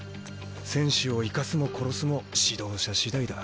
選手を生かすも殺すも指導者次第だ。